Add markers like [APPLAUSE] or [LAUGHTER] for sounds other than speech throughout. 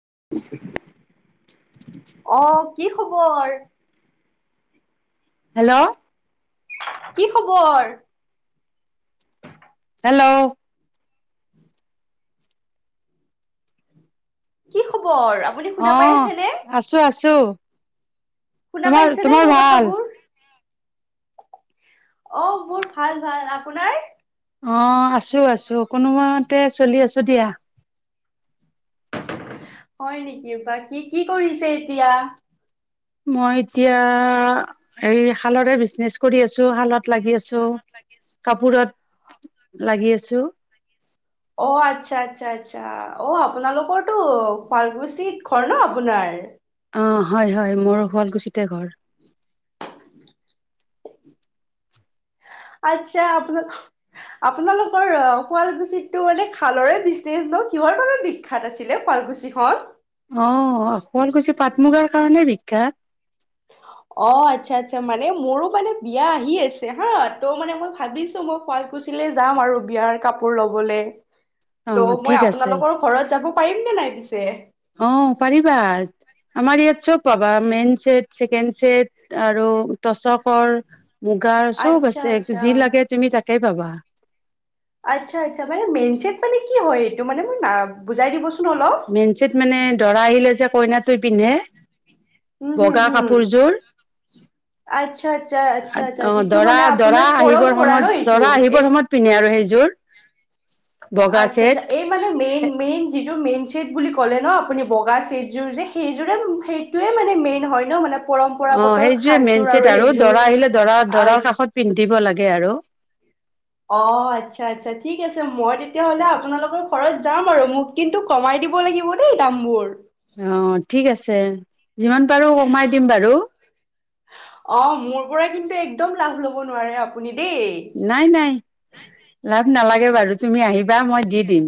[UNINTELLIGIBLE] অ কি খবৰ ওপৰ হেল্ল' কি খবৰ হেল্ল' কি খবৰ কৰ আপুনি অ শুনা পাই আছে ন আছো আছো শুনা তোমাৰ পাইছেনে তোমাৰ মোৰ ভাল কথাবোৰ অ মোৰ ভাল ভাল আপোনাৰ অ আছো আছো কোনোমতে চলি আছো দিয়া [UNINTELLIGIBLE] হয় নেকি বা কি কি কৰিছে এতিয়া মই এতিয়া হ শালৰে বিজনেছ কৰি আছো শালত লাগি আছো কাপোৰত লাগি আছো অ আচ্ছা আচ্ছা আচ্ছা অ আপোনালোকৰটো শালকুছিত ঘৰ ন আপোনাৰ অ হয় হয় মোৰ শুৱালকুছিতে ঘৰ আচ্ছা আপোন আপোনালোকৰ শুৱালকুছিতো মানে খালৰে বিনে ন কিহৰ বাবে বিখ্যাত আছিলে শুৱালকুছিখন অ শুৱালকুছি পাট মুগাৰ কাৰণে বিখ্যাত অ আচ্ছা আচ্ছা মানে মোৰো মানে বিয়া আহি আছে হা ত' মানে মই ভাবিছো মই শুৱালকুছলে যাম আৰু বিয়াৰ কাপোৰ লবলৈ। অ ত' মই ঠিক আছে আপোনালোকৰ ঘৰত যাব পাৰিম নে নাই পিছে অ', পাৰিবা। আমাৰ ইয়াত। চব পাবা মেইন ছেট ছেকেণ্ড ছেট আৰু টচক কৰ। মুগাৰ চব আচ্ছা আছে আচ্ছা। যি লাগে তুমি তাকে পাবা আচ্ছা আচ্ছা মানে মেইন চট মানে কি হয় এইটো মানে মোৰ বুজাই দিবচোন। অলপ। মেন ছেট মানে দৰা আহিলে যে কইনাটো পিন্ধে। উম হম বগা হম কাপোৰযোৰ আচ্ছা আচ্ছা আচ্ছা আচ্ছা অ', যিটো দৰা মানে দৰা আপোনাৰ আহিবৰ পৰম্পৰা সময়ত ন এইটো দৰা আহিবৰ এই সময়ত পিন্ধে আৰু সেইযোৰ বগা আচ্ছা ছেট। আচ্ছা এই মানে মেইন মেইন যি মেইন ছেট বুলি ক'লে ন আপুনি বগা ছেটযোৰ যে সেইযোৰে সেইটোৱে মানে মেইন হয় ন মানে অ পৰম্পৰাগত সেইযোৰে সাজযোৰ মেইন ছেট আৰু সেইযোৰ দৰা আহিলে দৰা আহ দৰাৰ কাষত পিন্ধে। দিব লাগে আৰু অ আচ্ছা আচ্ছা ঠিক আছে মই তেতিয়াহলে আপোনালোকৰ ঘৰত যাম আৰু মোক কিন্তু কমাই দিব লাগিব দেই দামবোৰ। অ ঠিক আছে যিমান পাৰো কমাই দিম বাৰু অ মোৰ পৰা কিন্তু একদম লাভ ল'ব নোৱাৰে আপুনি দেই নাই নাই লা নালাগে বাৰু তুমি আহিবা মই দি দিম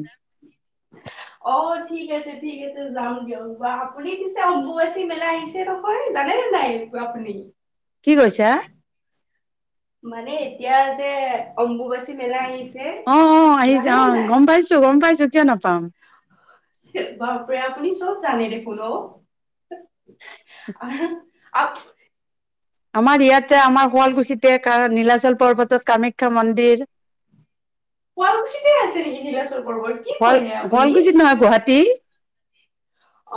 অ ঠিক আছে ঠিক আছে যাম দিয়ক আপুনি পিছে অম্বুবাচী মেলা আহিছে নহয় জানে নে নাই আপুনি কি কৈছা মানে এতিয়া যে অম্বুবাচী মেলা আহিছে অ অ আহিছে জানে অ নে নাই? গম পাইছো গম পাইছো কিয় নাপাম বাপৰে আপুনি চব জানে দেখোন অ আৰু আপ আমাৰ ইয়াতে আমাৰ শুৱালকুছিতে নীলাচল পৰ্বতত কামাখ্যা মন্দিৰ শুৱালকুছিতে আছে নেকি নীলাচৰ পৰ্বত কি শুৱাল কয় হে আপুনি। শুৱালকুছিত নহয় গুৱাহাটী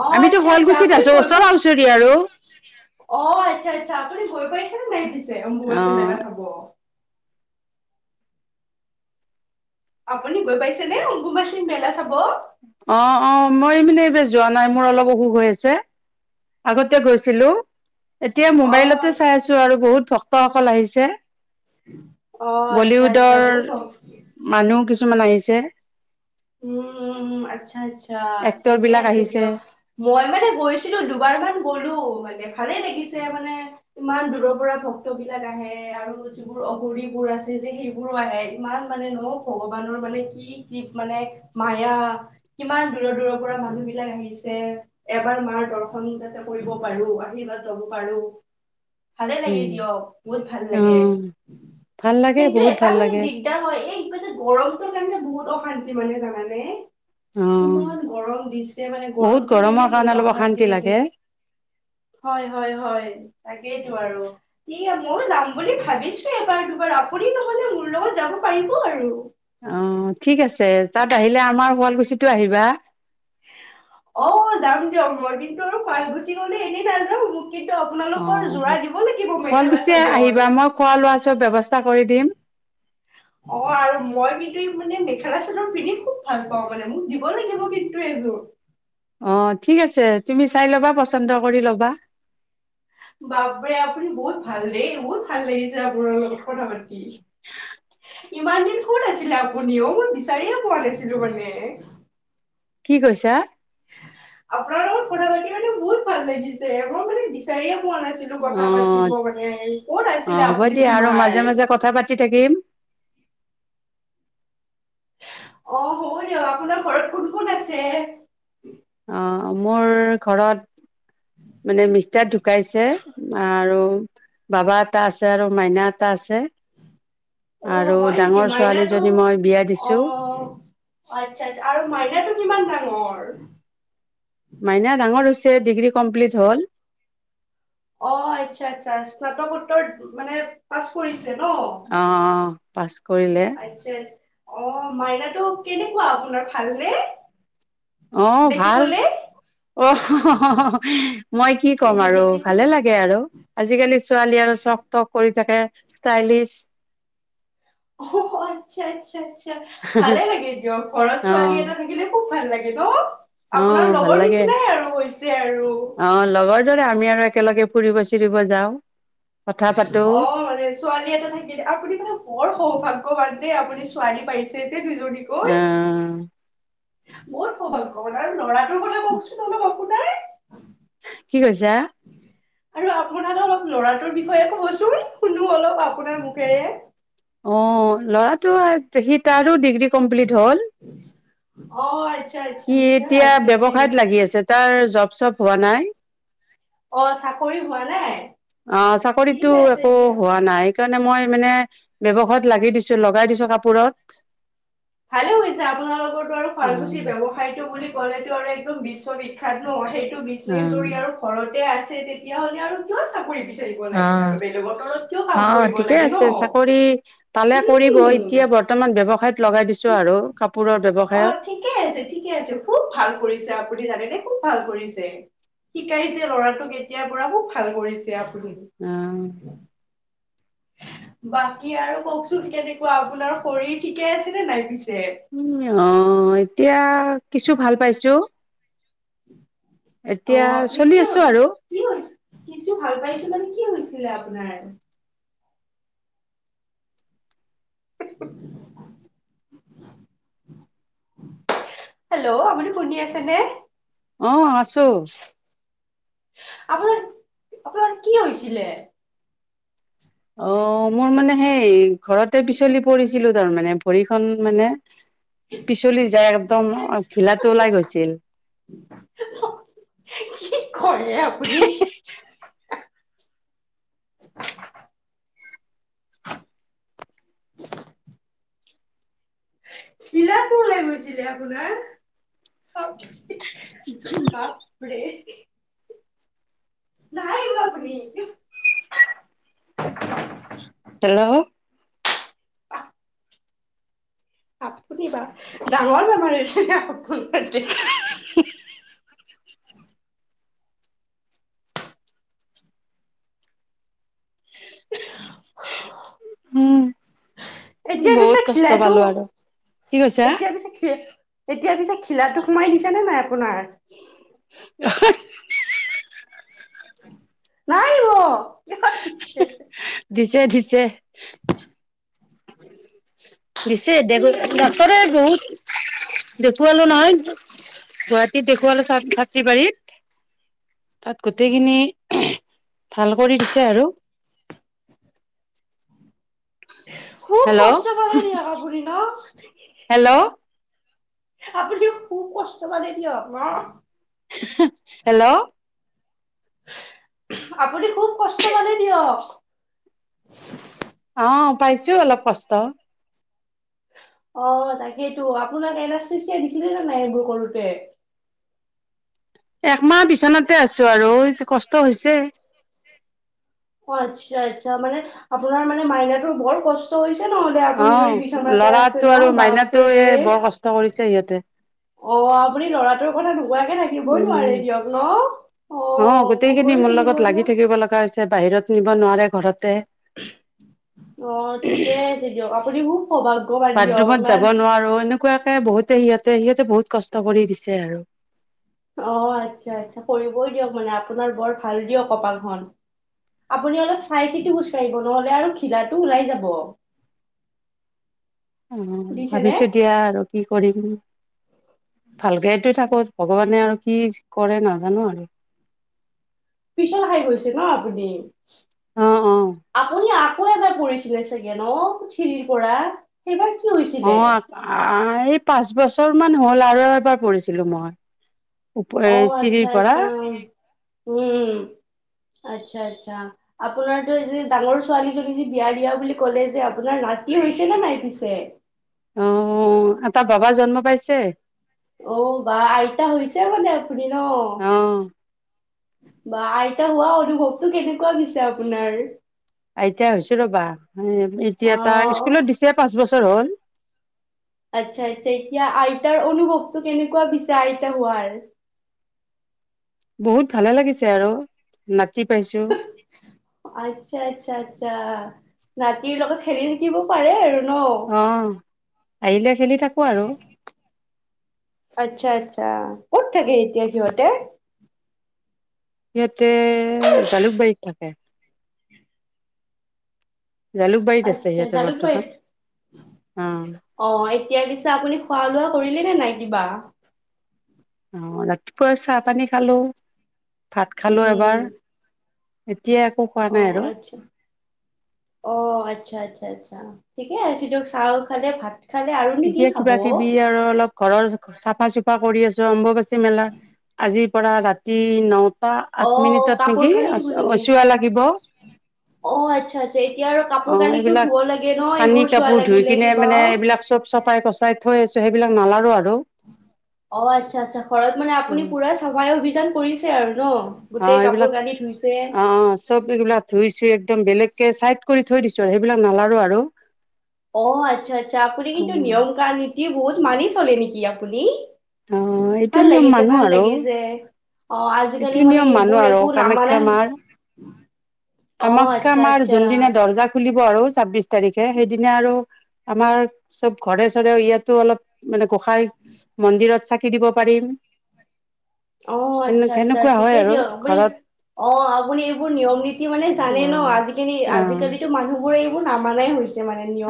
অ আমিতো আচ্ছা আচ্ছা শুৱালকুছিত আপুনি আছো গৈ ওচৰা পাই ওচৰি আৰু অ আচ্ছা আচ্ছা আপুনি গৈ পাইছেনে পিছে অ অম্বুবাচী মেলা চাব। আপুনি গৈ পাইছে নে অম্বুবাচী মেলা চাব অহ -অহ মই মানে এইবাৰ যোৱা নাই মোৰ অলপ অসু হৈ আছে। আগতে গৈছিলো। এতিয়া মোবাইলতে অ', চাই আছো আৰু বহুত ভক্তসকল আহিছে। অ', আচ্ছা, আচ্ছা বলিউডৰ বহুত মানুহ কিছুমান আহিছে। উম -উম - উম, আচ্ছা -আচ্ছা। যা এক্টৰ ঠিকে বিলাক আছে আহিছে দিয়ক মই মানে গৈছিলো দুবাৰ মান গ'লো মানে ভালেই লাগিছে মানে ইমান দূৰৰ পৰা ভক্ত বিলাক আহে আৰু যিবোৰ অঘৰিবোৰ আছে যে সেইবোৰো আহে ইমান মানে ন'ভগৱানৰ মানে কি - কি মানে মায়া কিমান দূৰৰ -দূৰৰ পৰা মানুহ বিলাক আহিছে, এবাৰ মাৰ দৰ্শন যাতে কৰিব পাৰো আশীৰ্বাদ লব পাৰো ভালে লাগে উম দিয়ক বহুত ভাল লাগে অ ভাল লাগে কিন্তু, বহুত এটা ভাল মানে লাগে দিগদাৰ হয় এই কৈ যে গৰম তোৰ কাৰণে বহত অশান কি মানে জানানে? অ ইমান গৰম দিছে মানে গৰমটো কাৰণে বহুত অশান্তি লাগে হয় -হয় -হয় তাকেইতো আৰু। সেয়া ময়ো যাম বুলি ভাবিছো এবাৰ- দুবাৰ আপুনি নহ'লে মোৰ লগত যাব পাৰিব আৰু। অহ', ঠিক আছে তাত আহিলে আমাৰ শুৱালকু চিটো আহিবা। অহ, যাম দিয়ক মই কিন্তু আৰু শুৱালকুচি গ'লে এনে নাযাওঁ মো অহ, মেখেলা শুৱালকুচি চাদৰ। আহিবা মই খোৱা লোৱা- চোৱা চব ব্যৱস্থা ৱস্থা কৰি দিম। অহ, আৰু মই কিন্তু মানে মেখেলা -চাদৰ পিন্ধি খুব ভাল পাওঁ মানে মোক দিব লাগিব কিন্তু এযোৰ। অহ, ঠিক আছে তুমি চাই ল'বা পচন্দ কৰি ল'বা। বাপৰে আপুনি বহুত ভাল দেই বহু ভাল লাগিছ যে আপোনাৰ লগত কথা পাতি ইমান দিন ক'ত আছিলে আপুনি অহ মই বিচাৰিয়ে পোৱা নাছিলো মানে। কি কৈছা? আপোনাৰ লগত কথা- পাতি মানে বহুত ভাল লাগিছে মই মানে বিচাৰিয়ে মন আছিলো অ কথা পাতিব মানে, ক'ত অ আছিলে হ'ব আপুনি দিয়া আৰু মাজে সোমাই। মাজে কথা পাতি থাকিম অহ, হ'ব দিয়ক আপোনাৰ ঘৰত কোন -কোন আছে? অ', মোৰ ঘৰত মানে মিষ্টাৰ ঢুকাইছে আৰু বাবা এটা আছে আৰু মাইনা এটা আছে। অহ, আৰু হয় নেকি? ডাঙৰ মাইনাটো ছোৱালীজনী মই বিয়া দিছো অ', আচ্ছা -আচ্ছা আৰু মাইনাটো কিমান ডাঙৰ? মাইনা ডাঙৰ হৈছ তে ডিগ্ৰী কমপ্লিট হ'ল। অহ, আচ্ছা -আচ্ছা স্নাতকোত্তৰ মানে পাছ কৰিছে। ন? অ' অ' পাছ কৰিলে। আচ্ছা আচ্ছা। অ' মাইনাটো কেনেকুৱা আপোনাৰ ভালনে? অ' ভাল। দেখিবলে? মই কি দেখ ক'ম আৰু দেখ দেখি। ভালে লাগে আৰু আজিকালিৰ ছোৱালী আৰু চখ তখ কৰি [UNINTELLIGIBLE] ষ্টাইলিছ। অ' আচ্ছা আচ্ছা। আচ্ছা আচ্ছা ভালে লাগে দিয়ক, ঘৰত অ ছোৱালী এটা থাকিলে খুব ভাল লাগে। [UNINTELLIGIBLE] অ আপোনাৰ ভাল লগৰ লাগে নিচিনাই আৰু হৈছে আৰু। অ লগৰ দৰে আমি আৰু একেলগে ফুৰিব চুৰিব যাওঁ। কথা পাতো অ' মানে ছোৱালী এটা থাকিলে আপুনি মানে বৰ সৌভাগ্যৱান। দেই আপুনি ছোৱালী পাইছে দুজনি কৈ। আহ বৰ সৌভাগ্যবান আৰু লৰা [INAUDIBLE] কি কৈছা? আৰু আপোনাৰ অলপ ল'ৰাটোৰ বিষয়ে কবচোন শুনো অলপ আপোনাৰ মুখেৰে। অ। ল'ৰাটো আ সি তাৰো ডিগ্ৰী কমপ্লিট হ'ল। অ' [UNINTELLIGIBLE] সি এতিয়া ব্যৱসায়ত লাগি আছে তাৰ জব চপ হোৱা নাই। অ' চাকৰি হোৱা নাই? অ' ঠিক চাকৰিতো আছে একো দিয়া। হোৱা নাই সেইকাৰণে মই মানে ব্যৱসায়ত লাগি দিছো লগাই দিছো কাপোৰত। ভালে হৈছে আপোনালোকৰটো আৰু অ শুৱালকুছিৰ ব্যৱসায়টো বুলি ক'লে টো‌ আৰু একদম বিশ্ববিখ্যাত ন' সেই টো অ বিজনেচ যৰি আৰু ঘৰতে আছ তে -‌ তেতিয়াহ'লে আৰু কিয় চাকৰি বিচ অ' অ' কৰিব ঠিকে লাগে ন। আছে চাকৰি পালে কৰিব উম এতিয়া বৰ্তমান ব্যৱসায়ত লগাই দিছো আৰু কাপোৰৰ ব্যৱসায়ত অ' ঠিকে আছে, ঠিকে আছে। খুব ভাল কৰিছে আপুনি জানেনে খুব ভাল কৰি ৰিছে। শিকাইছে ল'ৰাটোক এতিয়াৰ পৰা খুব ভাল কৰিছ ছে আপুনি। অ বাকী আৰু কওঁকচোন কেনেকুৱা আপোনাৰ শৰীৰ ঠিকে আছে নে নাই পিছ উম, অ। এতিয়া কিছু ভাল পাইছোঁ। অহ, আপুনি কি হৈ -কি হৈছে কিছু ভাল পাইছে মানে কি হৈছে? ছিলে আপোনাৰ। [INAUDIBLE] হেল্ল', আপুনি শুনি আছে নে? অহ, আছো। আপোনাৰ- আপোনাৰ কি হৈছিলে? অ', মোৰ মানে সেই ঘৰতে পিছলি পৰিছিলো তাৰমানে ভৰিখন মানে পিছ তোলি যায় একদম অহ ঘিলাটো ওলাই গৈছিল। কি কৰে আপুনি? ঘিলাটো ওলাই গৈছিলে আপোনাৰ? বাপ--বাপৰে নাই কোৱা আপুনি। হেল্ল', আপুনি বা ডাঙৰ বেমাৰ হৈছে নে? আপোনক দে [INAUDIBLE] উম এতিয়া পিছে বহুত কষ্ট পালো আৰু কি কৈছা? ঘিলাটো-এতিয়া পিছে খি, এতিয়া পিছে খি ঘিলাটো সোমাই দিছেনে নাই, আপোনাৰ? [UNINTELLIGIBLE] [INAUDIBLE] নাহাহিব [UNINTELLIGIBLE] দিছে- দিছে। দিছে দে ঠিক আছে ডাক্তৰে বহুত দেখুৱালো নহয়। গুৱাহাটীত দেখুৱালো ছা- ছাত্ৰীবাৰীত। তাত গোটেইখিনি ভাল কৰি দিছে আৰু। খুব হেল্ল' কষ্ট কৰেদিয়ক, আপুনি ন',? অহ, কে। হেল্ল', আপুনিও খুব কষ্ট পালে দিয়ক। ন'? হেল্ল', আপুনি খুব কষ্ট পালে দিয়ক, আপুনি খুব কষ্ট পালে দিয়ক। অহ পাইছো অলপ কষ্ট। অহ তাকেইটো আপোনাক এনাষ্ঠেচিয়া দিছিলেনে নাই এইবোৰ কৰোতে? একমাহ বিছনাতে আছো আৰু হে কষ্ট হৈছে। অ', -আচ্ছা-আচ্ছা মানে, আপোনাৰ মানে মাইনাটোৰ বৰ কষ্ট হৈছে। নহ'লে আপুনি অহ, যদি বিচনাতে আছে লৰাটো ন আৰু মাইনাটোৱে বাপৰে। বৰ কষ্ট কৰিছে ইয়াতে। অহ, আপুনি ল'ৰাটোৰ কথা কৈ? কুৱাকে থাকিবই উম। নোৱাৰে দিয়ক ন', - অ অঁ কবই লাগিব দিয়ক। যে তাই বাহিৰত নিব নোৱাৰে, ঘৰতে [UNINTELLIGIBLE] অহ, ঠিকে আছে দিয়ক। আপুনি মোক বাথৰুমত যাব নোৱাৰোঁ এনেকুৱাকে বহুত তে সিহঁতে - সিহঁতে বহুত কষ্ট কৰি দিছে আৰু। অ' আচ্ছা আচ্ছা, কৰিবই দিয়ক মানে আপোনাৰ বৰ ভাল দিয়ক কপালখন। আপুনি অলপ চাই চিতি খোজ কাঢ়িব নহ'লে আৰু ঘিলাটো ওলাই যাব। উম, শুনিছেনে? ভাবিছো দিয়া আৰু কি কৰিম। ভালকেটো থাকো। ভগৱানে আৰু কি কৰে নাজানো আৰু। পিছল খাই গৈছে ন আপুনি? অ' অ'। আপুনি আকৌ এবাৰ পৰিছিলে চাগে ন' চিৰিৰ পৰা? সেইবাৰ কি অ হৈছিলে? আ‌ এই পাঁচ বছ ছৰ মান হল আৰু এবাৰ পৰিছিলো মই, উপ অ - এই আচ্ছা চিৰিৰ পৰা। আচ্ছা উম, আচ্ছা আচ্ছা। ‌ আপোনাৰতো এ যে ডাঙৰ ছোৱালীজনী যে বিয়া দিয়া বুলি কলে যে আপোনাৰ নাতি হৈছে নে নাই পিছে? অ' এটা বাবা জন্ম পাইছে। অ' বাঃ আইতা হৈছে মানে আপ পুনি ন'। অ বাঃ আইতা হোৱা অনুভৱটো কেনেকুৱা পিছে আপোনাৰ? আইতা হৈছো ৰ'বা। অ এতিয়া তাৰ স্কুলত দিছে পাঁচ বছৰ হ'ল। তিয়া আইতাৰ অনুভৱটো কেনেকুৱা পিছে আইতা হোৱাৰ? বহুত ভালে লাগিছে আৰু। নাতি পাইছো আচ্ছা আচ্ছা আচ্ছা। নাতিৰ লগত খেলি থাকিব পাৰে আৰু। ন? অ'। আহিলে খেলি থাকো আৰু। আচ্ছা আচ্ছা, ক'ত থাকে এতিয়া সিহঁতে? সিহঁত তে জালুকবাৰীত থাক কে। জালুকবাৰীত আছে আচ্ছা সিহঁতে বৰ্তমান জালুকবাৰীত। অ অ' এতিয়া পিছে আপুনি খোৱা লোৱা কৰি লেনে নাই কিবা? অ' ৰাতিপুৱা চাহ পানী খালোঁ। ভাত খালোঁ উম এবাৰ। [UNINTELLIGIBLE] খোৱা অ' নাই আৰু আচ্ছা, অ' আচ্ছা আচ্ছা আচ্ছা। ঠিকে আছ দিয়ক চাহো খালে ভাত খালে আৰুনো কি এতিয়া খাব কিবা কিবি আৰু অলপ ঘৰৰ চাফা চুফা কৰি আছোঁ অম্বুবাচী মেলা আজি পৰা ৰাতি নটা আঠ অ' মিনিটত নেকি কাপোৰ কানি ধুব লাগে। চোৱা লাগিব অ' আচ্ছা আচ্ছা, এতিয়া আৰু অ কাপোৰ কানিটো এইবিলাক ধুব লাগে ন' কানি এইবোৰ চুৱা লাগিলে কিবা পচাই অ' আচ্ছা আচ্ছা, ঘৰত মানে আপুনি পুৰা চাফাই অভিযান কৰিছ ছে আৰু। ন গোটেই অ' কাপোৰ এইবিলাক, কানি ধুইছে অ' চব এইবিলাক ধুই ছুই এক দম বেলেগকে চাইড কৰি থৈ দিছো আৰু সেইবিলাক নালাৰো আৰু। অ' আচ্ছা আচ্ছা, আপুনি অ কিন্তু নিয়ম কা নীতি বহুত মানি চলে নেকি আপুনি? অ ভাল লাগিছে, ভাল লাগিছে। অ আজিকালি নীতি মানে নিয়ম এইবোৰ মানো আৰু একো নামানে কামাখ্যা মাৰ। অ কামাখ্যা আচ্ছা মাৰ আচ্ছা যোনদিনা দৰ্জা খুলিব আৰু ছাব্বিছ তাৰিখ খে সেইদিনা আৰু আমাৰ চব ঘৰে চৰে ইয়াতো অলপ মানে গোঁসাঁই মন্দিৰত চাকি দিব পাৰিম। অ' সেনে আচ্ছা আচ্ছা, সেনেকুৱা হয় ঠিকেই আৰু দিয়ক। আপুনি ঘৰত অ আপুনি এইবোৰ নিয়ম নীতি মানে অ জানে ন আজিকেনি - অ আজিকালিতো মানুহবোৰেই বোৰ নামানাই হৈছ।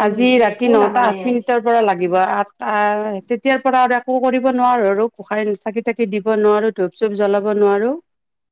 আজি ৰাতি নটা আঠ মিনিটৰ পৰা লাগিব আঠটা তেতিয়াৰ পৰা আৰু একো কৰিব নোৱাৰোঁ আৰু গোঁসাঁই চাকি তাকি দিব নোৱাৰোঁ, ধূপ চুপ জ্বলাব নোৱাৰোঁ।